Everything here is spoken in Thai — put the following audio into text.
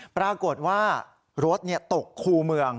ปรากฏว่ารถตกคู่เมือง